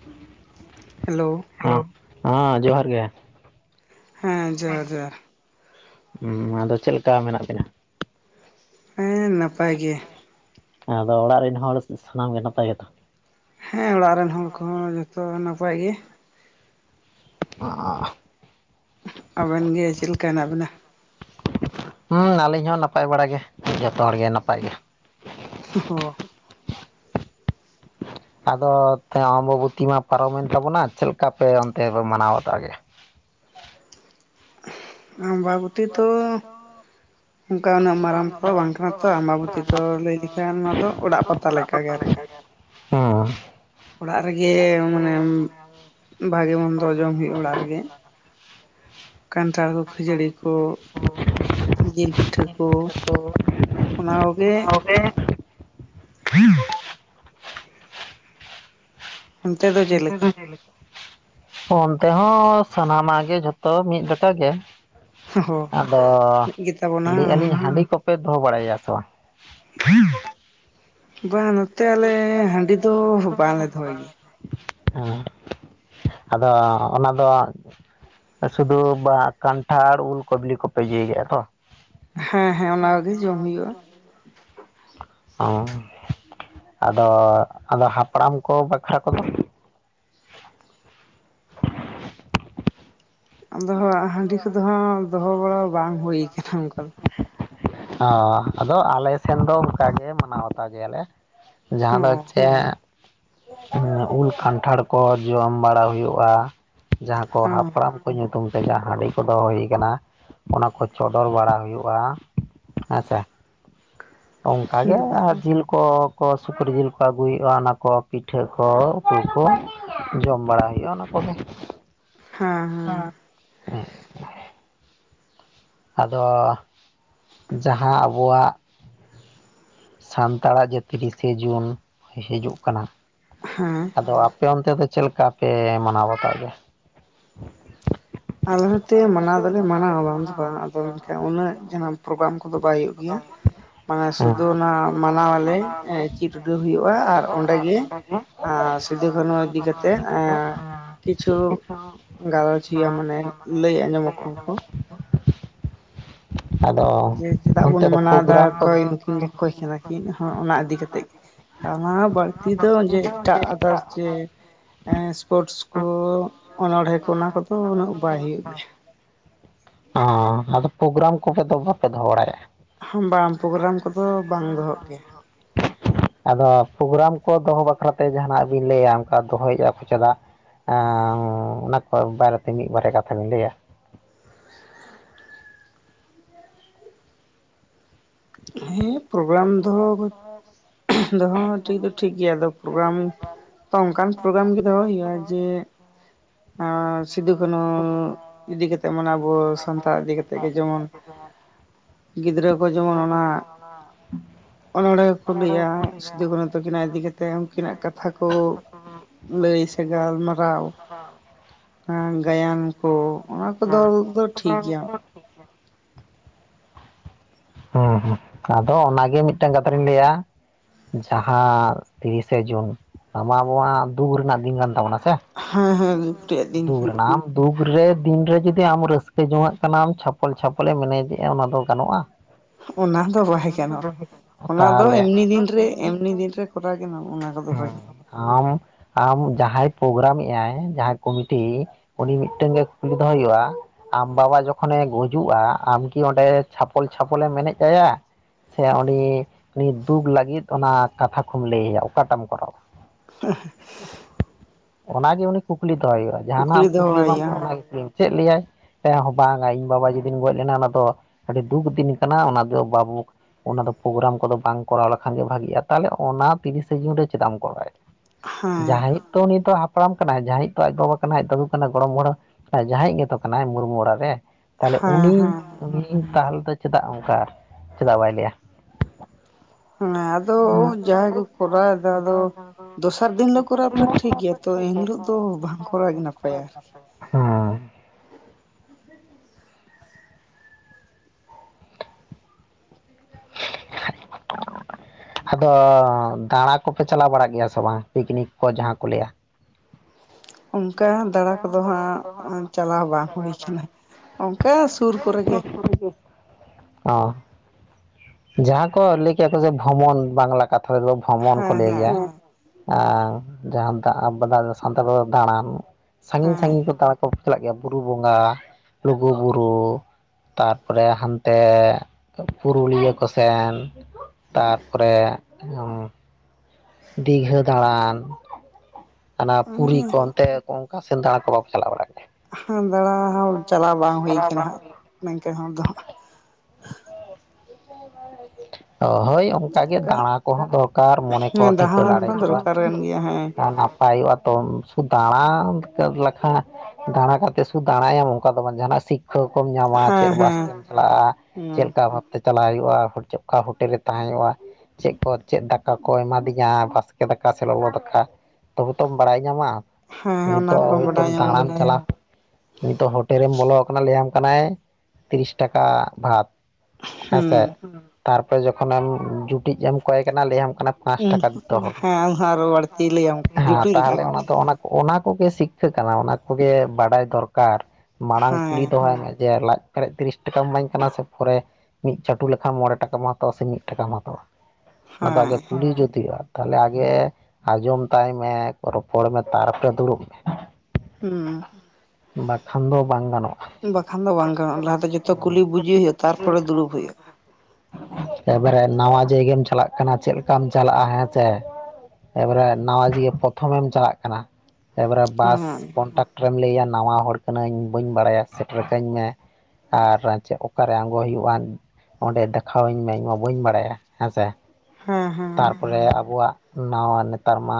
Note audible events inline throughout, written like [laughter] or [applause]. [inaudible] Hello hello ᱦᱚᱸ ᱡᱚᱦᱟᱨ ᱜᱮ ᱦᱮᱸ ᱡᱚᱦᱟᱨ ᱡᱚᱦᱟᱨ ᱦᱮᱸ ᱟᱫᱚ ᱪᱮᱫ ᱞᱮᱠᱟ ᱢᱮᱱᱟᱜ ᱵᱤᱱᱟ ᱦᱮᱸ ᱱᱟᱯᱟᱭ ᱜᱮ ᱮ ᱟᱫᱚ ᱚᱲᱟᱜ ᱨᱮᱱ ᱦᱚᱲ ᱥᱟᱱᱟᱢ ᱜᱮ ᱱᱟᱯᱟᱭ ᱜᱮᱛᱚ ᱦᱮᱸ ᱚᱲᱟᱜ ᱨᱮᱱ ᱦᱚᱲ ᱠᱚᱦᱚᱸ ᱡᱚᱛᱚ ᱱᱟᱯᱟᱭ ᱜᱮ ᱚ ᱟᱵᱮᱱ ᱜᱮ ᱪᱮᱫᱞᱮᱠᱟ ᱦᱮᱱᱟᱜ ᱵᱮᱱᱟ ᱦᱩᱸ ᱟᱹᱞᱤᱧ ᱦᱚᱸ ᱱᱟᱯᱟᱭ ᱵᱟᱲᱟ ᱜᱮ ᱡᱚᱛᱚ ᱦᱚᱲᱜᱮ ᱱᱟᱯᱟᱭ ᱜᱮ ᱦᱚᱸ ᱟᱫᱚ ᱚᱢᱵᱚᱵᱚᱛᱤ ᱢᱟ ᱯᱟᱨᱚᱢᱮᱱ ᱛᱟᱵᱚᱱᱟ ᱪᱮᱫ ᱞᱮᱠᱟ ᱯᱮ ᱚᱱᱛᱮ ᱯᱮ ᱢᱟᱱᱟᱣ ᱵᱟᱛᱟᱣᱟ ᱠᱮᱜ-ᱟ᱾ ᱚᱢᱵᱟᱵᱚᱛ ᱚᱢᱵᱟᱵᱚᱛᱤ ᱫᱚ ᱩᱱᱟᱹᱜ ᱢᱟᱨᱟᱝ ᱚᱱᱠᱟᱱᱟᱜ ᱛᱚ ᱠᱟᱱᱟ ᱫᱚ ᱛᱚ ᱵᱟᱝ ᱚᱱᱟ ᱫᱚ ᱟᱢᱵᱟᱵᱚᱛᱤ ᱞᱟᱹᱭ ᱞᱮᱠᱷᱟᱱ ᱱᱚᱣᱟ ᱫᱚ ᱚᱲᱟᱜ ᱯᱟᱛᱟ ᱟᱨᱠᱤ ᱞᱮᱠᱟᱜᱮ ᱦᱚᱸ ᱚᱲᱟᱜ ᱨᱮᱜᱮ ᱢᱟᱱᱮ ᱵᱷᱟᱜᱮ ᱡᱚᱢ ᱢᱚᱱᱫᱚ ᱦᱩᱭᱩᱜᱼᱟ ᱚᱲᱟᱜ ᱡᱚᱢ ᱨᱮᱜᱮ ᱞᱟᱜᱥᱜ-ᱟ᱾ [unintelligible] ᱠᱟᱱᱴᱷᱟᱲ ᱠᱚ ᱠᱷᱟᱹᱡᱟᱹᱲᱤ ᱠᱚ ᱡᱤᱞ ᱯᱤᱴᱷᱟᱹ ᱠᱚ ᱚᱱᱟ ᱠᱚᱜᱮ ᱤᱱᱠᱟᱹ ᱫᱚ ᱪᱮᱫ ᱞᱮᱠᱟ ᱚᱱᱛᱮ ᱦᱚᱸ ᱥᱟᱱᱟᱢᱟᱜ ᱜᱮ ᱡᱷᱚᱛᱚ ᱢᱤᱫ ᱞᱮᱠᱟ ᱜᱮ ᱚ ᱟᱫᱚ ᱢᱤᱫ ᱜᱮᱛᱟᱵᱚᱱᱟ ᱞᱟᱹᱭᱮᱜᱼᱟ ᱞᱤᱧ ᱦᱟᱺᱰᱤ ᱠᱚ ᱯᱮ ᱫᱚᱦᱟ ᱵᱟᱲᱟᱭᱟ ᱥᱮ ᱵᱟᱝ [inaudible] ᱱᱚᱛᱮ ᱟᱞᱮ ᱫᱚ ᱦᱟᱺᱰᱤ ᱠᱚ ᱵᱟᱝᱞᱮ ᱵᱟᱝ- ᱫᱚᱦᱚᱭ ᱜᱮᱭᱟ ᱵᱟᱝ ᱦᱮᱸ ᱟᱫᱚ ᱚᱱᱟ ᱫᱚ ᱥᱩᱫᱷᱩ ᱵᱟ ᱠᱟᱱᱴᱷᱟᱲ ᱩᱞ ᱠᱚᱵᱞᱤ ᱠᱚᱯᱮ ᱤᱭᱟᱹᱭ ᱜᱮᱭᱟ ᱛᱚ ᱦᱮᱸ ᱦᱮᱸ ᱚᱱᱟ ᱠᱚᱜᱮ ᱡᱚᱢ ᱦᱩᱭᱩᱜᱼᱟ ᱚ ᱟᱫᱚ ᱟᱫᱚ ᱦᱟᱯᱲᱟᱢ ᱠᱚ ᱵᱟᱠᱷᱨᱟ ᱠᱚᱫᱚ ᱟᱫᱚ ᱦᱟᱺᱰᱤ ᱠᱚᱫᱚ ᱫᱚᱦᱚ ᱵᱟᱲᱟ ᱵᱟᱝ ᱦᱩᱭᱩᱠ ᱚᱱᱠᱟ ᱫᱚ᱾ ᱚ ᱟᱫᱚ ᱟᱞᱮ ᱥᱮᱱ ᱫᱚ ᱚᱱᱠᱟ ᱜᱮ ᱢᱟᱱᱟᱣ ᱵᱟᱛᱟᱣ ᱜᱮᱭᱟᱞᱮ᱾ ᱡᱟᱦᱟᱸ ᱫᱚ ᱪᱮᱫ ᱩᱞ ᱠᱟᱱᱴᱷᱟᱲ ᱠᱚ ᱡᱚᱢ ᱵᱟᱲᱟ ᱦᱩᱭᱩᱜᱼᱟ, ᱡᱟᱦᱟᱸ ᱠᱚ ᱦᱮᱸ ᱦᱟᱯᱲᱟᱢ ᱠᱚ ᱧᱩᱛᱩᱢ ᱛᱮᱜᱮ᱾ ᱦᱟᱺᱰᱤ ᱠᱚ ᱫᱚᱦᱟ ᱦᱩᱭ ᱟᱠᱟᱱᱟ᱾ ᱚᱱᱟ ᱠᱚ ᱪᱚᱰᱚᱨ ᱵᱟᱲᱟ ᱦᱩᱭᱩᱜᱼᱟ ᱦᱮᱸ ᱥᱮ᱾ ᱚᱱᱠᱟ ᱜᱮ ᱟᱨ ᱡᱤᱞ ᱠᱚ ᱠᱚ ᱥᱩᱠᱨᱤ ᱡᱤᱞ ᱠᱚ ᱟᱹᱜᱩᱭᱮᱫᱼᱟ, ᱚᱱᱟ ᱠᱚ ᱯᱤᱴᱷᱟᱹ ᱠᱚ ᱩᱛᱩ ᱠᱚ ᱡᱚᱢ ᱵᱟᱲᱟ ᱦᱩᱭᱩᱜᱼᱟ᱾ ᱚᱱᱟ ᱠᱚᱫᱚ ᱦᱮᱸ ᱦᱮᱸ᱾ ᱦᱮᱸ ᱟᱫᱚ ᱡᱟᱦᱟᱸ ᱟᱵᱚᱣᱟᱜ ᱥᱟᱱᱛᱟᱲᱟᱜ ᱡᱮ ᱛᱤᱨᱤᱥᱮ ᱡᱩᱱ ᱦᱤᱡᱩᱜ ᱠᱟᱱᱟ ᱦᱮᱸ ᱟᱫᱚ ᱟᱯᱮ ᱚᱱᱛᱮ ᱫᱚ ᱪᱮᱫ ᱞᱮᱠᱟ ᱯᱮ ᱢᱟᱱᱟᱣ ᱵᱟᱛᱟᱣ ᱮᱫᱟ ᱟᱯᱮ? ᱟᱞᱮ ᱱᱚᱛᱮ ᱢᱟᱱᱟᱣ ᱫᱚᱞᱮ ᱢᱟᱱᱟᱣᱟ ᱵᱟᱝ ᱫᱚ ᱵᱟᱝ ᱟᱫ ᱢᱮᱱᱠᱷᱟᱱ ᱩᱱᱟᱹᱜ ᱡᱟᱦᱟᱸ ᱯᱨᱳᱜᱨᱟᱢ ᱠᱚᱫᱚ ᱵᱟᱭ ᱦᱩᱭᱩᱜ ᱜᱮᱭᱟ? [unintelligible] ᱢᱟᱱᱮ ᱥᱩᱫᱷᱩ ᱚᱱᱟ ᱢᱟᱱᱟᱣ ᱟᱞᱮ ᱪᱤᱨᱩᱰᱟᱹᱣ ᱦᱩᱭᱩᱜᱼᱟ ᱟᱨ ᱚᱸᱰᱮ ᱜᱮ ᱟᱨ ᱥᱤᱫᱩ- ᱠᱟᱱᱦᱩ ᱤᱫᱤ ᱠᱟᱛᱮ ᱠᱤᱪᱩ ᱜᱟᱞᱚᱪ ᱤᱭᱟᱹ ᱢᱟᱱᱮ ᱞᱟᱹᱭ ᱟᱸᱡᱚᱢ ᱟᱠᱚ ᱟᱹᱨᱠᱤ᱾ [unintelligible] ᱟᱫᱚ ᱡᱮ ᱪᱮᱫᱟᱜ ᱵᱚᱱ ᱚᱱᱛᱮ ᱫᱚ ᱢᱟᱱᱟᱣ ᱮᱫᱟ? ᱯᱨᱳᱜᱨᱟᱢ ᱠᱚ ᱚᱠᱚᱭ ᱚ ᱱᱩᱠᱤᱱ ᱫᱚ ᱚᱠᱚᱭ ᱠᱟᱱᱟᱠᱤᱱ ᱦᱚᱸ ᱚᱱᱟ ᱤᱫᱤ ᱠᱟᱛᱮᱫ ᱜᱮ ᱚᱱᱟ ᱵᱟᱹᱲᱛᱤ ᱫᱚ ᱡᱮ ᱮᱴᱟᱜ ᱟᱫᱚ ᱡᱮ ᱦᱮᱸ ᱤᱥᱯᱳᱨᱴᱥ ᱠᱚ ᱚᱱᱚᱬᱦᱮᱸ ᱠᱚ, ᱚᱱᱟ ᱠᱚᱫᱚ ᱩᱱᱟᱹᱜ ᱵᱟᱭ ᱦᱩᱭᱩᱜ ᱜᱮᱭᱟ᱾ ᱚ ᱟᱫᱚ ᱯᱨᱳᱜᱨᱟᱢ ᱠᱚᱯᱮ ᱫᱚ ᱵᱟᱯᱮ ᱫᱚᱦᱚ ᱵᱟᱲᱟᱭᱮᱫᱟ? ᱦᱚᱸ ᱵᱟᱝ ᱯᱨᱳᱜᱨᱟᱢ ᱠᱚᱫᱚ ᱵᱟᱝ ᱫᱚᱦᱚᱜ ᱜᱮᱭᱟ᱾ ᱟᱫᱚ ᱯᱨᱳᱜᱨᱟᱢ ᱠᱚ ᱫᱚᱦᱚ ᱵᱟᱠᱷᱨᱟ ᱛᱮ ᱡᱟᱦᱟᱱᱟᱜ ᱵᱤᱱ ᱞᱟᱹᱭᱟ, ᱚᱱᱠᱟ ᱫᱚᱦᱚᱭᱮᱫ ᱟᱯᱮ ᱪᱮᱫᱟᱜ? ᱦᱮᱸ ᱚᱱᱟ ᱠᱚ ᱵᱟᱨᱮ ᱛᱮ ᱢᱤᱫ ᱵᱟᱨᱭᱟ ᱠᱟᱛᱷᱟ ᱵᱤᱱ ᱞᱟᱹᱭᱟ ᱦᱮᱸ ᱯᱨᱳᱜᱨᱟᱢ ᱫᱚ ᱫᱚᱦᱚ ᱦᱚᱸ ᱴᱷᱤᱠ ᱫᱚ ᱴᱷᱤᱠ ᱜᱮᱭᱟ, ᱟᱫᱚ ᱯᱨᱳᱜᱨᱟᱢ ᱛᱚ ᱚᱱᱠᱟᱱ ᱯᱨᱳᱜᱨᱟᱢ ᱜᱮ ᱫᱚᱦᱚᱭ ᱦᱩᱭᱩᱜᱼᱟ ᱡᱮ ᱦᱮᱸ [unintelligible] ᱦᱚᱸ ᱥᱤᱫᱩᱼᱠᱟᱹᱱᱦᱩ ᱤᱫᱤ ᱠᱟᱛᱮᱜ ᱢᱟᱱᱮ ᱟᱵᱚ ᱥᱟᱱᱛᱟᱲ ᱤᱫᱤ ᱠᱟᱛᱮᱜ ᱜᱮ ᱡᱮᱢᱚᱱ ᱜᱤᱫᱽᱨᱟᱹ ᱠᱚ ᱡᱮᱢᱚᱱ ᱚᱱᱟ ᱚᱱᱚᱬᱦᱮᱸ ᱠᱚ ᱞᱟᱹᱭᱟ ᱥᱤᱫᱩ ᱠᱟᱱᱦᱩ ᱛᱟᱹᱠᱤ ᱱᱟᱜ ᱤᱫᱤ ᱠᱟᱛᱮᱫ ᱩᱱᱠᱤᱱᱟᱜ ᱠᱟᱛᱷᱟ ᱠᱚ ᱞᱟᱹᱭ ᱥᱮ ᱜᱟᱞᱢᱟᱨᱟᱣ ᱦᱮᱸ ᱜᱟᱭᱟᱱ ᱠᱚ᱾ ᱚᱱᱟ ᱠᱚᱫᱚ ᱫᱚ ᱴᱷᱤᱠ ᱜᱮᱭᱟ᱾ ᱦᱚᱸ ᱦᱚᱸ᱾ ᱛᱚ ᱚᱱᱟ ᱜᱮ ᱢᱤᱫᱴᱟᱝ ᱠᱟᱛᱷᱟ ᱞᱤᱧ ᱞᱟᱹᱭᱟ ᱡᱟᱦᱟᱸ ᱛᱤᱨᱤᱥᱮ ᱡᱩᱱ ᱱᱚᱣᱟ ᱢᱟ ᱟᱵᱚᱣᱟᱜ ᱫᱩᱠ ᱨᱮᱱᱟᱜ ᱫᱤᱱ ᱠᱟᱱ ᱛᱟᱵᱚᱱᱟ ᱥᱮ ᱦᱮᱸ ᱦᱮᱸ ᱨᱮᱭᱟᱜ ᱫᱤᱱ ᱫᱩᱨ ᱱᱟᱢ ᱫᱩᱠ ᱨᱮ ᱫᱤᱱ ᱨᱮ ᱡᱩᱫᱤ ᱟᱢ ᱨᱟᱹᱥᱠᱟᱹ ᱡᱚᱝᱼᱟᱜ ᱠᱟᱱᱟᱢ ᱪᱷᱟᱯᱚᱞ ᱪᱷᱟᱯᱚᱞᱮ ᱮᱱᱮᱡᱮᱜᱼᱟ, ᱚᱱᱟ ᱫᱚ ᱜᱟᱱᱚᱜᱼᱟ? ᱚᱱᱟᱢ ᱫᱚ ᱵᱟᱭ ᱜᱟᱱᱳᱜ-ᱟ᱾ ᱚᱱᱟ ᱫᱚ ᱛᱟᱦᱚᱞᱮ ᱮᱢᱱᱤ ᱫᱤᱱ ᱨᱮ ᱮᱢᱱᱤ ᱫᱤᱱ ᱨᱮ ᱠᱚᱨᱟᱣ ᱜᱮ ᱚᱱᱟ ᱠᱚᱫᱚ ᱵᱷᱟᱹᱜᱤᱭᱟ᱾ ᱟᱢ ᱟᱢ ᱡᱟᱦᱟᱸᱭ ᱯᱨᱳᱜᱨᱟᱢᱮᱫ ᱟᱭ ᱡᱟᱦᱟᱸᱭ ᱠᱚᱢᱤᱴᱤ ᱩᱱᱤ ᱢᱤᱫᱴᱟᱹᱱ ᱜᱮ ᱠᱩᱠᱞᱤ ᱫᱚᱦᱚᱭ ᱦᱩᱭᱩᱜᱼᱟ᱾ ᱟᱢ ᱵᱟᱵᱟ ᱡᱚᱠᱷᱚᱱᱮ ᱜᱩᱡᱩᱜᱼᱟ, ᱟᱢ ᱠᱤ ᱚᱸᱰᱮ ᱪᱷᱟᱯᱚᱞ ᱪᱷᱟᱯᱚᱞᱮᱢ ᱮᱱᱮᱡ ᱟᱭᱟ ᱥᱮ ᱩᱱᱤ ᱫᱩᱠᱷ ᱞᱟᱹᱜᱤᱫ ᱚᱱᱟ ᱠᱟᱛᱷᱟ ᱠᱚᱢ ᱞᱟᱹᱭ ᱟᱭᱟ᱾ ᱚᱠᱟᱴ ᱮᱢ ᱠᱚᱨᱟᱣᱟ? ᱦᱮᱸᱺ ᱚᱱᱟ ᱜᱮ ᱩᱱᱤ ᱠᱩᱠᱞᱤ ᱫᱚᱦᱚᱭ ᱦᱩᱭᱩᱜᱼᱟ, ᱡᱟᱦᱟᱱᱟᱜ ᱫᱚᱦᱚ ᱠᱩᱠᱞᱤ ᱵᱟᱝ ᱦᱩᱭᱩᱜᱼᱟ ᱚᱱᱟ ᱜᱮ ᱠᱩᱞᱤᱭᱮᱢ ᱪᱮᱫ ᱞᱟᱹᱭᱟᱭ? ᱮᱦᱚ ᱵᱟᱝᱼᱟ ᱤᱧ ᱵᱟᱵᱟ ᱡᱮᱫᱤᱱ ᱮ ᱜᱳᱡ ᱞᱮᱱᱟ, ᱚᱱᱟ ᱫᱚ ᱟᱹᱰᱤ ᱫᱩᱠ ᱫᱤᱱ ᱠᱟᱱᱟ ᱚᱱᱟ ᱫᱚ ᱵᱟᱵᱚ ᱚᱱᱟ ᱫᱚ ᱯᱨᱳᱜᱨᱟᱢ ᱠᱚᱫᱚ ᱵᱟᱝ ᱠᱚᱨᱟᱣ ᱞᱮᱠᱷᱟᱱ ᱜᱮ ᱵᱷᱟᱜᱤᱜᱼᱟ, ᱛᱟᱦᱞᱮ ᱚᱱᱟ ᱛᱤᱨᱤᱥᱮ ᱡᱩᱱ ᱨᱮ ᱪᱮᱫᱟᱜ ᱮᱢ ᱠᱚᱨᱟᱣ ᱮᱜ-ᱟ? ᱦᱮᱸ ᱡᱟᱦᱟᱸᱭ ᱛᱚ ᱩᱱᱤ ᱫᱚ ᱦᱟᱯ ᱦᱟᱯᱲᱟᱢ ᱠᱟᱱᱟᱭ, ᱡᱟᱦᱟᱸᱭᱤᱡ ᱛᱚ ᱟᱡ ᱵᱟᱵᱟ ᱠᱟᱱᱟᱭ, ᱟᱡ ᱫᱟᱹᱫᱩ ᱠᱟᱱᱟᱭ, ᱜᱚᱲᱚᱢ ᱜᱚᱲᱚ ᱡᱟᱦᱟᱸᱭᱤᱡ ᱜᱮᱛᱚ ᱠᱟᱱᱟᱭ ᱢᱩᱨᱢᱩ ᱚᱲᱟᱜ ᱨᱮ᱾ ᱛᱟᱞᱦᱮ ᱦᱮᱸ ᱩᱱᱤ ᱦᱮᱸ ᱩᱱᱤ ᱛᱟᱞᱦᱮ ᱛᱚ ᱪᱮᱫᱟᱜ ᱚᱝᱠᱟ ᱪᱮᱫᱟᱜ ᱵᱟᱭ ᱞᱟᱹᱭᱟ? ᱦᱮᱸ ᱟᱫᱚ ᱡᱟᱦᱟᱸᱭ ᱠᱚ ᱠᱚᱨᱟᱣ ᱮᱫᱟ ᱟᱫᱚ ᱫᱚᱥᱟᱨ ᱫᱤᱱ ᱦᱤᱞᱳᱜ ᱠᱚᱨᱟᱣ ᱯᱮ ᱴᱷᱤᱠ ᱜᱮᱭᱟ ᱛᱚ ᱮᱱᱦᱤᱞᱳᱜ ᱫᱚ ᱵᱟᱝ ᱠᱚᱨᱟᱣ ᱜᱮ ᱱᱟᱯᱟᱭᱟ ᱟᱨᱠᱤ᱾ ᱦᱩᱸ᱾ ᱟᱫᱚ ᱫᱟᱬᱟ ᱠᱚᱯᱮ ᱪᱟᱞᱟᱣ ᱵᱟᱲᱟᱜ ᱜᱮᱭᱟ ᱥᱮ ᱵᱟᱝ ᱯᱤᱠᱱᱤᱠ ᱠᱚ ᱡᱟᱦᱟᱸ ᱠᱚ ᱞᱟᱹᱭᱟ? ᱚᱝᱠᱟ ᱫᱟᱬᱟ ᱠᱚᱫᱚ ᱦᱟᱸᱜ ᱪᱟᱞᱟᱣ ᱵᱟᱝ ᱦᱩᱭ ᱠᱟᱱᱟ᱾ ᱚᱝᱠᱟ ᱥᱩᱨ ᱠᱚᱨᱮ ᱜᱮ᱾ ᱦᱚᱸ, ᱡᱟᱦᱟᱸ ᱠᱚ ᱞᱟᱹᱭ ᱠᱮᱫ ᱠᱚ ᱡᱮ ᱵᱷᱨᱚᱢᱚᱱ ᱵᱟᱝᱞᱟ ᱠᱟᱛᱷᱟ ᱛᱮᱫᱚ᱾ ᱵᱷᱚᱢᱚᱱ ᱠᱚ ᱦᱮᱸ ᱞᱟᱹᱭ ᱜᱮᱭᱟ ᱦᱮᱸ ᱟᱨ ᱡᱟᱦᱟᱸ ᱫᱟ ᱟᱵᱚ ᱫᱟ ᱥᱟᱱᱛᱟᱲ ᱛᱮᱫᱚ ᱫᱟᱬᱟᱱ᱾ ᱥᱟᱺᱜᱤᱧ ᱦᱮᱸ ᱥᱟᱺᱜᱤᱧ ᱠᱚ ᱫᱟᱬᱟ ᱠᱚ ᱪᱟᱞᱟᱜ ᱜᱮᱭᱟ ᱵᱩᱨᱩ ᱵᱚᱸᱜᱟ, ᱞᱩᱜᱩᱵᱩᱨᱩ, ᱛᱟᱨᱯᱚᱨᱮ ᱦᱟᱱᱛᱮ ᱯᱩᱨᱩᱞᱤᱭᱟᱹ ᱠᱚ ᱥᱮᱱ᱾ ᱛᱟᱨᱯᱚᱨᱮ ᱩᱸ ᱫᱤᱜᱷᱟᱹ ᱫᱟᱬᱟᱱ, ᱦᱟᱱᱟ ᱯᱩᱨᱤ ᱦᱮᱸ ᱠᱚ ᱚᱱᱛᱮ ᱚᱱᱠᱟ ᱥᱮᱱ ᱫᱟᱬᱟ ᱠᱚ ᱵᱟᱯᱮ ᱪᱟᱞᱟᱣ ᱵᱟᱲᱟᱜ ᱜᱮᱭᱟ? ᱦᱩᱸ, ᱫᱟᱬᱟ ᱦᱚᱸ ᱪᱟᱞᱟᱣ ᱵᱟᱝ ᱦᱩᱭ ᱠᱟᱱᱟ ᱦᱟᱸᱜ ᱱᱤᱝᱠᱟᱹ ᱦᱚᱲ ᱫᱚ ᱦᱟᱸᱜ᱾ [inaudible] ᱦᱳᱭ ᱚᱝᱠᱟᱜᱮ ᱫᱟᱬᱟ ᱠᱚ ᱦᱚᱸ ᱫᱚᱨᱠᱟᱨ ᱢᱚᱱᱮ ᱠᱚ ᱦᱚᱸ ᱦᱟᱸᱜ ᱴᱷᱤᱠᱟᱹ ᱫᱟᱬᱟ ᱠᱚ ᱨᱟᱲᱮᱡᱚᱜᱼᱟ᱾ ᱫᱚᱨᱠᱟᱨ ᱠᱟᱱ ᱜᱮᱭᱟ ᱦᱮᱸ ᱟᱨ ᱱᱟᱯᱟᱭᱚᱜᱼᱟ ᱛᱚᱢ ᱥᱩ ᱫᱟᱬᱟᱱ ᱞᱮᱠᱷᱟ ᱫᱟᱬᱟ ᱠᱟᱛᱮ ᱥᱩ ᱫᱟᱬᱟᱭᱟᱢ ᱚᱝᱠᱟ ᱫᱚ ᱵᱟᱝ, ᱡᱟᱸᱦᱟᱱᱟᱜ ᱥᱤᱠ ᱴᱷᱟᱹᱣᱠᱟᱹᱢ ᱧᱟᱢᱟ ᱪᱮᱫ ᱦᱮᱸ ᱵᱟᱥ ᱦᱮᱸ ᱛᱮᱢ ᱪᱟᱞᱟᱜᱼᱟ, ᱪᱮᱫ ᱞᱮᱠᱟ ᱵᱷᱟᱵᱛᱮ ᱪᱟᱞᱟᱜ ᱦᱩᱭᱩᱜᱼᱟ, ᱪᱮᱫᱠᱟ ᱦᱳᱴᱮᱞ ᱨᱮ ᱛᱟᱦᱮᱸ ᱦᱩᱭᱩᱜ-ᱟ ᱪᱮᱜ ᱠᱚ ᱪᱮᱫ ᱫᱟᱠ ᱠᱟ ᱠᱚ ᱮᱢᱟ ᱫᱤᱧᱟ, ᱵᱟᱥᱠᱮ ᱫᱟᱠᱟ ᱥᱮ ᱞᱚᱞᱚ ᱫᱟᱠᱟ ᱛᱚᱵᱮ ᱛᱚᱢ ᱵᱟᱲᱟᱭ ᱧᱟᱢᱟ᱾ ᱦᱮᱸ ᱦᱮᱸ ᱚᱱᱟ ᱱᱤᱛᱳᱜ ᱠᱚ ᱵᱟᱰᱟᱭ ᱦᱚᱭᱛᱚᱢ ᱧᱟᱢᱚᱜ ᱫᱟᱬᱟᱱ ᱜᱮᱭᱟ ᱪᱟᱞᱟᱜ ᱱᱤᱛᱳᱜ ᱦᱳᱴᱮᱞ ᱨᱮᱢ ᱵᱚᱞᱚ ᱠᱟᱱᱟ ᱞᱟᱹᱭᱟᱢ ᱠᱟᱱᱟᱭ ᱛᱤᱨᱤᱥ ᱴᱟᱠᱟ ᱵᱷᱟᱛ᱾ ᱦᱮᱸ ᱥᱮ ᱛᱟᱨᱯᱚᱨᱮ ᱡᱚᱠᱷᱚᱱᱮᱢ ᱡᱩᱴᱤᱡ ᱮᱢ ᱠᱚᱭ ᱠᱟᱱᱟ ᱞᱟᱹᱭᱟᱢ ᱠᱟᱱᱟ ᱯᱟᱸᱥ ᱴᱟᱠᱟ ᱫᱤᱛᱮ ᱦᱚᱵᱮ, ᱦᱮᱸ ᱟᱨᱚ ᱵᱟᱹᱲᱛᱤ ᱞᱟᱹᱭᱟᱢ ᱦᱮᱸ ᱡᱩᱴᱩᱡ ᱨᱮᱱᱟᱜ ᱛᱟᱦᱞᱮ ᱦᱚᱸ ᱚᱱᱟ ᱫᱚ ᱚᱱᱟ ᱚᱱᱟ ᱠᱚ ᱜᱮ ᱥᱤᱠᱠᱷᱟᱹ ᱠᱟᱱᱟ, ᱚᱱᱟ ᱠᱚ ᱜᱮ ᱵᱟᱰᱟᱭ ᱫᱚᱨᱠᱟᱨ᱾ ᱢᱟᱲᱟᱝ ᱠᱩᱞᱤ ᱦᱮᱸ ᱫᱚᱦᱚᱭᱮᱢᱮ ᱡᱮ ᱞᱟᱡ ᱯᱮᱨᱮᱡ ᱛᱤᱨᱤᱥ ᱴᱟᱠᱟᱢ ᱤᱢᱟᱹᱧ ᱠᱟᱱᱟ ᱥᱮ ᱯᱚᱨᱮ ᱢᱤᱫ ᱪᱟᱹᱴᱩ ᱞᱮᱠᱷᱟᱱ ᱢᱚᱬᱮ ᱴᱟᱠᱟᱢ ᱦᱟᱛᱟᱣᱟ ᱥᱮ ᱢᱤᱫ ᱴᱟᱠᱟᱢ ᱦᱟᱛᱟᱣᱟ? ᱚᱱᱟ ᱫᱚ ᱟᱜᱮ ᱦᱮᱸ ᱠᱩᱞᱤ ᱡᱩᱛ ᱦᱩᱭᱩᱜ-ᱟ᱾ ᱛᱟᱦᱞᱮ ᱟᱜᱮ ᱟᱸᱡᱚᱢ ᱛᱟᱭ ᱢᱮ, ᱨᱚᱯᱚᱲ ᱢᱮ ᱛᱟᱨᱯᱚᱨᱮ ᱫᱩᱲᱩᱵ ᱢᱮ᱾ ᱦᱩᱸ᱾ ᱵᱟᱠᱷᱟᱱ ᱫᱚ ᱵᱟᱝ ᱜᱟᱱᱚᱜᱼᱟ᱾ ᱵᱟᱠᱷᱟᱱ ᱫᱚ ᱵᱟᱝ ᱜᱟᱱᱚᱜᱼᱟ, ᱞᱟᱦᱟ ᱛᱮ ᱡᱚᱛᱚ ᱠᱩᱞᱤ ᱵᱩᱡᱮ ᱦᱩᱭᱩᱜ-ᱟ᱾ [unintelligible] ᱮᱵᱟᱨᱮ ᱱᱟᱣᱟ ᱡᱟᱭᱜᱟᱢ ᱪᱟᱞᱟᱜ ᱠᱟᱱᱟ ᱪᱮᱫ ᱞᱮᱠᱟᱢ ᱪᱟᱞᱟᱜᱼᱟ ᱦᱮᱸ ᱥᱮ᱾ ᱮᱵᱟᱨᱮ ᱱᱟᱣᱟ ᱜᱮ ᱯᱚᱛᱷᱚᱢᱮᱢ ᱪᱟᱞᱟᱜ ᱠᱟᱱᱟ, ᱮᱵᱟᱨᱮ ᱵᱟᱥ ᱦᱮᱸ ᱠᱚᱱᱴᱟᱠ ᱨᱮᱢ ᱞᱟᱹᱭᱟ ᱱᱟᱣᱟ ᱦᱚᱲ ᱠᱟᱹᱱᱟᱹᱧ ᱵᱟᱹᱧ ᱵᱟᱲᱟᱭᱟ ᱥᱮᱴᱮᱨ ᱠᱟᱹᱧ ᱢᱮ ᱟᱨ ᱪᱮᱜ ᱚ ᱚᱠᱟᱨᱮ ᱟᱬᱜᱚᱭ ᱦᱩᱭᱩᱜᱼᱟᱱ ᱚᱸᱰᱮ ᱫᱮᱠᱷᱟᱣᱟᱹᱧ ᱢᱮ ᱤᱧᱢᱟ ᱵᱟᱹᱧ ᱵᱟᱲᱟᱭᱟ ᱦᱮᱸ ᱥᱮ᱾ ᱦᱮᱸ ᱦᱮᱸ ᱛᱟᱨᱯᱚᱨᱮ ᱟᱵᱚᱣᱟᱜ ᱱᱟᱣᱟ ᱱᱮᱛᱟᱨ ᱢᱟ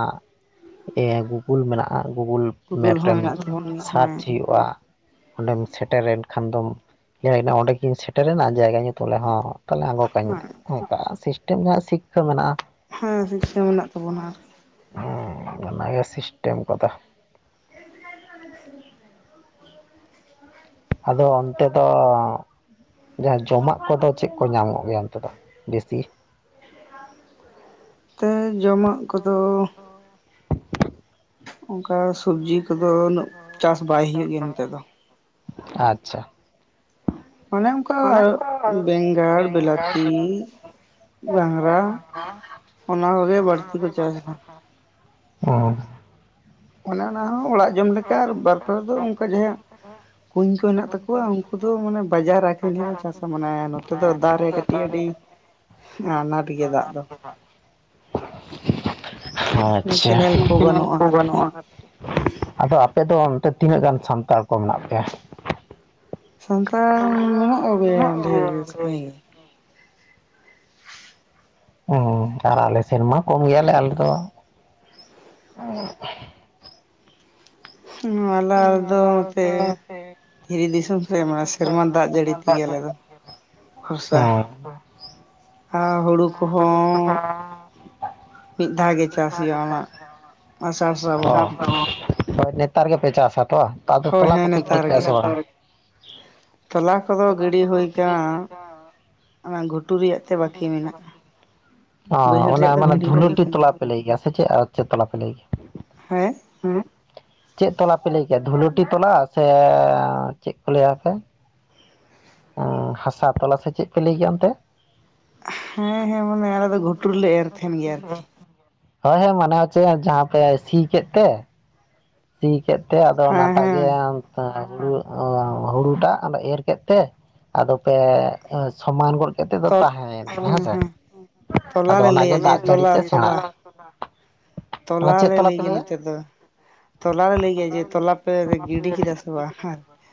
ᱤᱭᱟᱹ ᱜᱩᱜᱩᱞ ᱢᱮᱱᱟᱜᱼᱟ ᱜᱩᱜᱩᱞ᱾ ᱜᱩᱜᱳᱞ ᱢᱮᱯ ᱦᱚᱸ ᱨᱮᱢ ᱢᱮᱱᱟᱜ ᱛᱟᱵᱚᱱ ᱜᱮ ᱥᱟᱨᱪ ᱦᱮᱸ ᱦᱩᱭᱩᱜᱼᱟ ᱚᱸᱰᱮᱢ ᱥᱮᱴᱮᱨᱮᱱ ᱠᱷᱟᱱ ᱫᱚᱢ ᱞᱟᱹᱭᱟᱭ ᱚᱸᱰᱮᱜᱤᱧ ᱥᱮᱴᱮᱨᱮᱱᱟ ᱡᱟᱭᱜᱟ ᱧᱩᱛᱩᱢ, ᱞᱟᱹᱭᱟ ᱦᱚᱸ᱾ ᱛᱟᱦᱞᱮ ᱟᱬᱜᱚ ᱠᱟᱹᱧ ᱢᱮ ᱦᱮᱸ ᱚᱝᱠᱟ, ᱥᱤᱥᱴᱮᱢ ᱫᱚ ᱦᱟᱸᱜ ᱥᱤᱠᱠᱟᱹ ᱢᱮᱱᱟᱜᱼᱟ ᱦᱩᱸ ᱥᱤᱠᱠᱟᱹ ᱢᱮᱱᱟᱜ ᱛᱟᱵᱚᱱᱟ ᱟᱨ ᱠᱤ᱾᱾ ᱦᱩᱸ, ᱚᱱᱟᱜᱮ ᱥᱤᱥᱴᱮᱢ ᱠᱚ ᱫᱚ᱾ [inaudible] ᱟᱫᱚ ᱚᱱᱛᱮ ᱫᱚ ᱡᱟᱦᱟᱸ ᱡᱚᱢᱟᱜ ᱠᱚ ᱫᱚ ᱪᱮᱫ ᱠᱚ ᱧᱟᱢᱚᱜ ᱜᱮᱭᱟ ᱚᱱᱛᱮ ᱫᱚ᱾ ᱵᱮᱥᱤ, ᱛᱮ ᱡᱚᱢᱟᱜ ᱠᱚ ᱫᱚ ᱚᱝᱠᱟ ᱥᱚᱵᱽᱡᱤ ᱠᱚ ᱫᱚ ᱩᱱᱟᱹᱜ ᱪᱟᱥ ᱵᱟᱭ ᱦᱩᱭᱩᱜ ᱜᱮᱭᱟ ᱱᱚᱛᱮ ᱫᱚ᱾ ᱟᱪᱪᱷᱟ ᱚᱱᱮ ᱚᱝᱠᱟ ᱵᱮᱝᱜᱟᱲ, ᱵᱮᱞᱟᱛᱤ, ᱜᱟᱝᱨᱟ᱾ ᱚᱱᱟ ᱠᱚ ᱜᱮ ᱵᱟᱹᱲᱛᱤ ᱠᱚ ᱪᱟᱥ ᱫᱟ᱾ ᱦᱩᱸ ᱚᱱᱟ ᱚᱱᱟ ᱦᱚᱸ ᱚᱲᱟᱜ ᱡᱚᱢ ᱞᱮᱠᱟ ᱟᱨ ᱵᱟᱨᱯᱮ ᱦᱚᱲ ᱫᱚ ᱚᱱᱠᱟ ᱡᱟᱦᱟᱸᱭᱟᱜ [unintelligible] ᱠᱩᱧ ᱠᱚ ᱦᱮᱱᱟᱜ ᱛᱟᱠᱚᱣᱟ, ᱩᱱᱠᱩ ᱫᱚ ᱢᱟᱱᱮ ᱵᱟᱡᱟᱨ ᱟᱠᱷᱨᱤᱧ ᱞᱤᱭᱟᱹ ᱦᱚᱸ ᱪᱟᱥ-ᱟ ᱢᱟᱱᱮ ᱱᱚᱛᱮ ᱫᱚ ᱫᱟᱨᱮ ᱠᱟᱹᱴᱤᱡ ᱟᱹᱰᱤ ᱟᱱᱟᱴ ᱜᱮᱭᱟ ᱫᱟᱜ ᱫᱚ᱾ ᱫᱚ ᱟᱪᱪᱷᱟ ᱠᱮᱱᱮᱞ ᱠᱚ [unintelligible] ᱵᱟᱹᱱᱩᱜᱼᱟ ᱵᱟᱵᱩ ᱟᱨᱠᱤ ᱼᱟ ᱟᱫᱚ ᱟᱯᱮ ᱫᱚ ᱚᱱᱛᱮ ᱛᱤᱱᱟᱹᱜ ᱜᱟᱱ ᱥᱟᱱᱛᱟᱲ ᱠᱚ ᱢᱮᱱᱟᱜ ᱯᱮᱭᱟ? ᱥᱟᱱᱛᱟᱲ ᱢᱮᱱᱟᱜ ᱠᱚᱜᱮᱭᱟ ᱰᱷᱮᱨ ᱜᱮ, ᱥᱟᱜᱮ ᱜᱮ᱾ ᱦᱮᱸ ᱟᱨ ᱟᱞᱮ ᱥᱮᱱ ᱢᱟ ᱠᱚᱢ ᱜᱮᱭᱟᱞᱮ ᱟᱞᱮ ᱫᱚ᱾ ᱦᱩᱸ [unintelligible] ᱫᱷᱤᱨᱤ ᱫᱤᱥᱚᱢ ᱥᱮᱢᱟ ᱥᱮᱨᱢᱟ ᱫᱟᱜ ᱡᱟᱹᱲᱤ ᱛᱮᱜᱮ ᱟᱞᱮ ᱫᱚ, ᱠᱷᱚᱨᱥᱟ᱾ ᱟ ᱦᱩᱲᱩ ᱦᱩᱲᱩ ᱠᱚ ᱦᱚᱸ [unintelligible] ᱢᱤᱫ ᱫᱷᱟᱣ ᱜᱮ ᱪᱟᱥ ᱦᱩᱭᱩᱜᱼᱟ ᱚᱱᱟ ᱟᱥᱟᱲ ᱥᱨᱟᱵᱚᱱ [unintelligible] ᱦᱳᱭ ᱱᱮᱛᱟᱨ ᱜᱮᱯᱮ ᱪᱟᱥᱟ ᱛᱚ ᱵᱟᱝ ᱟᱫᱚ ᱦᱳᱭ ᱛᱚᱞᱟ ᱠᱚ ᱦᱮᱸ ᱯᱮ ᱜᱩᱰᱤ ᱱᱮᱛᱟᱨ ᱠᱮᱫᱟ ᱜᱮ ᱥᱮ ᱵᱟᱝ? ᱛᱚᱞᱟ ᱠᱚᱫᱚ ᱜᱤᱰᱤ ᱦᱩᱭ ᱠᱟᱱ᱾ ᱚᱱᱟ ᱜᱷᱩᱴᱩ ᱨᱮᱭᱟᱜ ᱛᱮ ᱵᱟᱹᱠᱤ ᱢᱮᱱᱟᱜᱼᱟ᱾ ᱵᱟᱹᱭᱦᱟᱹᱲ ᱚ ᱨᱮᱭᱟᱜ ᱫᱚ ᱢᱟᱱᱮ ᱜᱤᱰᱤ ᱦᱩᱭ ᱫᱷᱩᱞᱟᱹᱴᱤ ᱠᱟᱱᱟ ᱛᱚᱞᱟ ᱯᱮ ᱞᱟᱹᱭ ᱜᱮᱭᱟ ᱥᱮ ᱪᱮᱫ ᱟᱨ ᱪᱮᱫ ᱛᱚᱞᱟ ᱯᱮ ᱞᱟᱹᱭ ᱜᱮᱭᱟ᱾ ᱦᱮᱸ ᱪᱮᱫ ᱛᱚᱞᱟ ᱯᱮ ᱞᱟᱹᱭ ᱜᱮᱭᱟ, ᱫᱷᱩᱞᱩᱴᱤ ᱛᱚᱞᱟ ᱥᱮ ᱪᱮᱫ ᱠᱚ ᱞᱟᱹᱭᱟᱯᱮ ᱦᱟᱥᱟ ᱛᱚᱞᱟ ᱥᱮ ᱪᱮᱫ ᱯᱮ ᱞᱟᱹᱭ ᱜᱮᱭᱟ ᱚᱱᱛᱮ ᱦᱮᱸ ᱦᱮᱸ ᱢᱟᱱᱮ ᱟᱞᱮ ᱫᱚ ᱜᱷᱩᱨᱮᱞᱮ ᱮᱨ ᱛᱟᱦᱮᱱ ᱜᱮᱭᱟ ᱟᱨᱠᱤ ᱦᱳᱭ ᱦᱳᱭ ᱢᱟᱱᱟᱣ ᱟᱪᱭᱮᱢ ᱡᱟᱦᱟᱸ ᱛᱮ ᱥᱤ ᱠᱮᱫ ᱛᱮ᱾ ᱥᱤ ᱠᱮᱫ ᱛᱮ ᱟᱫᱚ ᱦᱮᱸ ᱚᱱᱟᱴᱟᱜ ᱜᱮ ᱦᱮᱸ [unintelligible] ᱮᱞᱚ ᱠᱮᱫ ᱛᱮ᱾ ᱟᱫᱚ ᱯᱮ ᱥᱚᱢᱟᱱ ᱜᱚᱫ ᱠᱮᱫ ᱛᱮᱫᱚ ᱛᱚᱞ ᱛᱟᱦᱮᱸᱭᱮᱱᱟ ᱦᱮᱸᱥᱮ ᱛᱚᱞᱟ ᱟᱫᱚ ᱞᱮ ᱚᱱᱟᱜᱮ ᱞᱟᱹᱭᱟ ᱡᱮ ᱫᱟᱜ ᱛᱚᱞᱟ ᱡᱟᱹᱲᱤᱛᱮ ᱛᱚᱞᱟ ᱥᱮᱬᱟᱜᱼᱟ᱾ ᱚᱱᱟ ᱛᱚᱞᱟ ᱪᱮᱫ ᱞᱮ ᱞᱟᱹᱭ ᱯᱮ ᱜᱮ ᱞᱟᱹᱭᱟ? ᱱᱚᱛᱮ ᱫᱚ᱾ ᱛᱚᱞᱟ ᱞᱮ ᱞᱟᱹᱭ ᱜᱮᱭᱟ ᱡᱮ ᱛᱚᱞᱟ ᱯᱮ ᱜᱤᱰᱤ ᱠᱮᱫᱟ ᱥᱮ ᱵᱟᱝ ᱦᱮᱸ [unintelligible]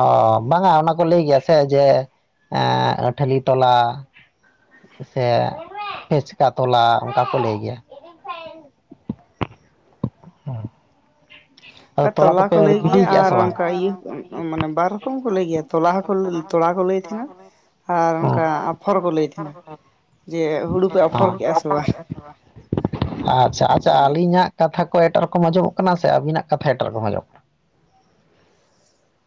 ᱚ ᱵᱟᱝᱟ ᱚᱱᱟ ᱠᱚ ᱞᱟᱹᱭ ᱜᱮᱭᱟ ᱥᱮ ᱡᱮ ᱟᱹᱴᱷᱞᱤ ᱛᱚᱞᱟ᱾ ᱥᱮ ᱯᱷᱮᱪᱠᱟ ᱛᱚᱞᱟ ᱚᱱᱠᱟ ᱠᱚ ᱞᱟᱹᱭ ᱜᱮᱭᱟ᱾ ᱦᱮᱸ [unintelligible] ᱚᱱᱠᱟ ᱛᱚᱞᱟ ᱠᱚ ᱞᱟᱹᱭ ᱜᱮᱭᱟ, ᱜᱤᱰᱤ ᱠᱮᱜᱼᱟ ᱟᱨ ᱥᱮ ᱵᱟᱝ? ᱚᱱᱠᱟ ᱤᱭᱟᱹ ᱢᱟᱱᱮ ᱵᱟᱨ ᱨᱚᱠᱚᱢ ᱠᱚ ᱞᱟᱹᱭ ᱜᱮᱭᱟ ᱛᱚᱞᱟ ᱦᱚᱸ ᱠᱚ ᱛᱚᱲᱟ ᱠᱚ ᱞᱟᱹᱭ ᱛᱤᱱᱟᱹᱜ ᱟᱨ ᱦᱩᱸ ᱚᱱᱠᱟ ᱟᱯᱷᱚᱨ ᱠᱚ ᱞᱟᱹᱭ ᱛᱟᱦᱮᱱᱟ᱾ ᱡᱮ ᱦᱩᱲᱩ ᱯᱮ ᱚᱯᱷᱚᱨ ᱠᱮᱜᱼᱟ᱾ ᱥᱮ ᱵᱟᱝ? ᱚ ᱟᱪᱪᱷᱟ ᱟᱪᱪᱷᱟ ᱦᱮᱸ ᱟᱨᱠᱤ ᱟᱹᱞᱤᱧᱟᱜ ᱠᱟᱛᱷᱟ ᱠᱚ ᱮᱴᱟᱜ ᱨᱚᱠᱚᱢ ᱚᱸᱡᱚᱢᱚᱜ ᱠᱟᱱᱟ᱾ ᱥᱮ ᱟᱹᱵᱤᱱᱟᱜ ᱠᱟᱛᱷᱟ ᱮᱴᱟᱜ ᱨᱚᱠᱚᱢ ᱟᱸᱡᱚᱜ ᱠᱟᱱᱟ᱾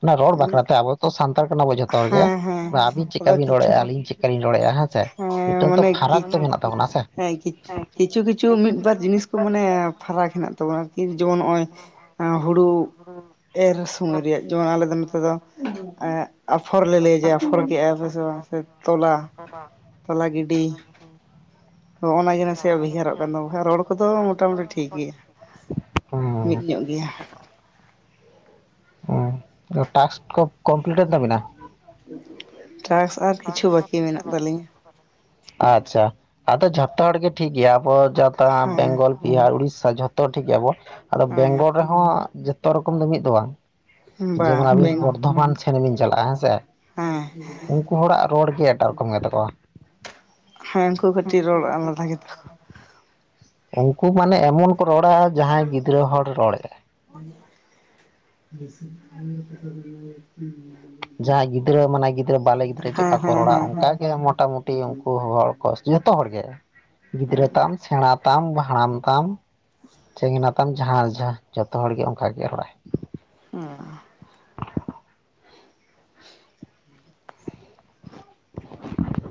ᱚᱱᱟ ᱨᱚᱲ ᱢᱟᱱᱮ ᱵᱟᱠᱷᱨᱟᱛᱮ, ᱟᱵᱚ ᱛᱚ ᱥᱟᱱᱛᱟᱲ ᱠᱟᱱᱟᱵᱚᱱ ᱡᱚᱛᱚ ᱦᱚᱲ ᱜᱮ, ᱦᱮᱸ ᱦᱮᱸ ᱟᱹᱵᱤᱱ ᱪᱤᱫᱠᱟ ᱟᱫᱚ ᱵᱤᱱ ᱠᱤᱪᱷᱩ ᱨᱚᱲᱮᱫᱼᱟ ᱟᱹᱞᱤᱧ ᱪᱮᱠ ᱠᱟ ᱞᱤᱧ ᱨᱚᱲᱮᱫᱼᱟ ᱦᱮᱸᱥᱮ ᱦᱮᱸ ᱢᱤᱫᱴᱟᱝ ᱛᱚ ᱢᱟᱱᱮ ᱯᱷᱟᱨᱟᱠ ᱠᱤᱪ ᱛᱚ ᱢᱮᱱᱟᱜ ᱛᱟᱵᱚᱱᱟ ᱦᱮᱸ ᱥᱮ᱾ ᱠᱤᱪ ᱠᱤᱪᱷᱩ ᱠᱤᱪᱷᱩ ᱢᱤᱫ ᱵᱟᱨ ᱡᱤᱱᱤᱥ [unintelligible] ᱢᱟᱱᱮ ᱯᱷᱟᱨᱟᱠ ᱢᱮᱱᱟᱜᱮ ᱛᱟᱵᱚᱱᱟ ᱟᱨᱠᱤ ᱡᱮᱢᱚᱱ ᱱᱚᱜᱼᱚᱭ ᱦᱩᱲᱳ ᱮᱨ ᱥᱚᱢᱚᱭ ᱨᱮᱭᱟᱜ ᱡᱮᱢᱚᱱ ᱟᱞᱮᱚ ᱱᱚᱛᱮ ᱫᱚ ᱟᱯᱷᱚᱨ ᱞᱮ ᱞᱟᱹᱭᱟ ᱡᱮ ᱟᱯᱷᱚᱨ ᱠᱮᱫᱼᱟ ᱯ ᱥᱮ ᱵᱟᱝ᱾ ᱥᱮ ᱛᱚᱞᱟ ᱸ [inaudible] ᱦᱚᱜ ᱚᱱᱟ ᱜᱮ ᱱᱟᱥᱮᱭᱟᱜ ᱵᱷᱮᱜᱟᱨᱚᱜ ᱠᱟᱱ ᱛᱟᱰᱚ ᱵᱟᱠᱷᱟᱱ ᱨᱚᱲ ᱠᱚᱫᱚ ᱢᱚᱴᱟᱢᱩᱴᱤ ᱴᱷᱤᱠ ᱜᱮᱭᱟ᱾ ᱢᱤᱫ ᱦᱩᱸ ᱧᱚᱜ ᱜᱮᱭᱟ᱾ ᱚᱸ ᱴᱟᱥ ᱠᱚ ᱠᱚᱢᱯᱞᱤᱴ ᱮᱱ ᱛᱟᱵᱤᱱᱟ᱾ ᱴᱟᱠᱥ ᱟᱨ ᱠᱤᱪᱷᱩ ᱵᱟᱹᱠᱤ ᱢᱮᱱᱟᱜ ᱛᱟᱹᱞᱤᱧᱟ ᱟᱪᱪᱷᱟ᱾ ᱟᱫᱚ ᱡᱷᱚᱛᱚ ᱦᱚᱲ ᱜᱮ ᱴᱷᱤᱠ ᱜᱮᱭᱟ, ᱟᱵᱚ ᱡᱚᱛᱚ ᱦᱮᱸ ᱵᱮᱝᱜᱚᱞ, ᱵᱤᱦᱟᱨ, ᱩᱲᱤᱥᱥᱟ ᱡᱷᱚᱛᱚ ᱦᱚᱲ ᱴᱷᱤᱠ ᱜᱮᱭᱟ᱾ ᱟᱵᱚ ᱟᱫᱚ ᱵᱮᱝᱜᱚᱞ ᱦᱮᱸ ᱨᱮᱦᱚᱸ ᱡᱚᱛᱚ ᱨᱚᱠᱚᱢ ᱫᱚ ᱢᱤᱫ ᱫᱚ ᱵᱟᱝ ᱡᱮᱢᱚᱱ ᱵᱟᱝ ᱟᱵᱤᱱ ᱵᱮᱝ ᱵᱚᱨᱫᱷᱚᱢᱟᱱ ᱪᱷᱟᱹᱱᱤ ᱵᱤᱱ ᱪᱟᱞᱟᱜᱼᱟ ᱦᱮᱸ ᱥᱮ᱾ ᱦᱮᱸ ᱩᱱᱠᱩ ᱦᱚᱲᱟᱜ ᱨᱚᱲ ᱜᱮ ᱮᱴᱟᱜ ᱨᱚᱠᱚᱢ ᱜᱮ ᱛᱟᱠᱚᱣᱟ᱾ ᱦᱮᱸ ᱩᱱᱠᱩ ᱠᱟᱹᱴᱤᱡ ᱨᱚᱲ ᱟᱞᱟᱫᱟ ᱠᱮᱫᱟ ᱠᱚ᱾ ᱩᱱᱠᱩ ᱢᱟᱱᱮ ᱮᱢᱚᱱ ᱠᱚ ᱨᱚᱲᱟ ᱡᱟᱦᱟᱸᱭ ᱜᱤᱫᱽᱨᱟᱹ ᱦᱚᱲ ᱨᱚᱲᱮᱜᱼᱟ [unintelligible] [unintelligible] ᱡᱟᱦᱟᱸᱭ ᱜᱤᱫᱽᱨᱟᱹ ᱢᱟᱱᱮ ᱜᱤᱫᱽᱨᱟᱹ ᱵᱟᱞᱮ ᱜᱤᱫᱽᱨᱟᱹ ᱪᱮᱫ ᱦᱮᱸ ᱞᱮᱠᱟ ᱠᱚ ᱦᱮᱸ ᱨᱚᱲᱟ, ᱦᱮᱸ ᱦᱮᱸ ᱚᱱᱠᱟ ᱜᱮ ᱢᱚᱴᱟᱢᱩᱴᱤ ᱩᱱᱠᱩ ᱦᱚᱲ ᱦᱚᱸ ᱡᱚᱛᱚ ᱦᱚᱲ ᱜᱮ ᱜᱤᱫᱽᱨᱟᱹ ᱛᱟᱢ, ᱥᱮᱬᱟ ᱛᱟᱢ, ᱦᱟᱲᱟᱢ ᱛᱟᱢ ᱪᱮᱸᱜᱱᱟ ᱛᱟᱢ ᱡᱟᱦᱟᱸ ᱡᱟᱦᱟ ᱡᱚᱛᱚ ᱦᱚᱲ ᱜᱮ ᱚᱱᱠᱟ ᱜᱮ ᱨᱚᱲᱟᱭ ᱩᱸ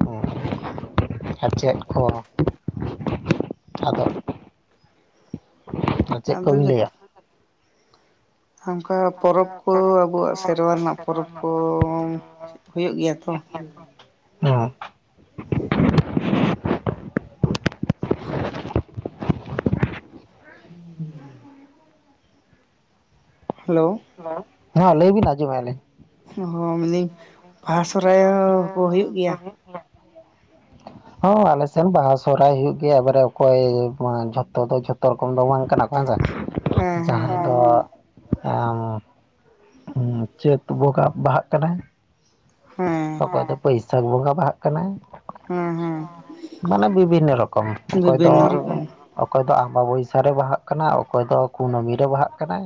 ᱦᱩᱸ ᱟᱨ ᱪᱮᱫ ᱠᱚ? ᱟᱫᱚ ᱪᱮᱜ ᱠᱚ ᱟᱫᱚ ᱵᱤᱱ ᱞᱟᱹᱭᱟ? ᱚᱸᱠᱟ ᱯᱚᱨᱚᱵ ᱠᱚ ᱟᱵᱚᱣᱟᱜ ᱥ ᱥᱮᱨᱣᱟ ᱨᱮᱱᱟᱜ ᱯᱚᱨᱚᱵᱽ ᱠᱚ ᱦᱩᱭᱩᱜ ᱜᱮᱭᱟ ᱛᱚ? ᱦᱩᱸ [unintelligible] ᱦᱮᱞᱳ ᱦᱚᱸ ᱞᱟᱹᱭ ᱵᱤᱱ ᱟᱸᱡᱚᱢᱮᱼᱟ ᱞᱤᱧ᱾ ᱦᱚᱸ ᱢᱮᱱᱤᱹᱧ ᱵᱟᱦᱟ ᱥᱚᱦᱚᱨᱟᱭ ᱠᱚ ᱦᱩᱭᱩᱜ ᱜᱮᱭᱟ? ᱦᱚᱸ ᱟᱞᱮᱥᱮᱱ ᱵᱟᱦᱟ ᱥᱚᱦᱚᱨᱟᱭ ᱦᱩᱭᱩᱜ ᱜᱮᱭᱟ᱾ ᱮᱵᱟᱨᱮ ᱚᱠᱚᱭ ᱡᱷᱚᱛᱚ ᱫᱚ ᱡᱷᱚᱛᱚ ᱨᱚᱠᱚᱢ ᱫᱚ ᱵᱟᱝ ᱠᱟᱱᱟ ᱠᱚ ᱦᱮᱸᱥᱮ ᱦᱮᱸ ᱦᱮᱸ ᱡᱟᱦᱟᱸᱭᱟ ᱫᱚ ᱟᱸᱩᱸ ᱪᱟᱹᱛ ᱵᱚᱸᱜᱟ ᱵᱟᱦᱟᱜ ᱠᱟᱱᱟᱭ ᱦᱮᱸ ᱚᱠᱚᱭ ᱫᱚ ᱵᱟᱹᱭᱥᱟᱺᱠ ᱵᱚᱸᱜᱟ ᱵᱟᱦᱟᱜ ᱠᱟᱱᱟᱭ, ᱦᱮᱸ ᱦᱮᱸ ᱢᱟᱱᱮ ᱵᱤᱵᱷᱤᱱᱱᱮ ᱨᱚᱠᱚᱢ ᱦᱮᱸ ᱚᱠᱚᱭ ᱫᱚ ᱵᱤᱵᱷᱤᱱᱱᱚ ᱨᱚᱠᱚᱢ ᱚᱠᱚᱭ ᱫᱚ ᱟᱢᱵᱟ ᱵᱟᱭᱥᱟ ᱨᱮ ᱵᱟᱦᱟᱜ ᱠᱟᱱᱟ, ᱚᱠᱚᱭ ᱫᱚ ᱠᱩᱱᱟᱹᱢᱤ ᱨᱮ ᱵᱟᱦᱟᱜ ᱠᱟᱱᱟᱭ᱾